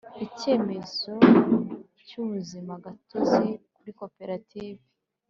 icyemezo cy’ ubuzima gatozi kuri koperative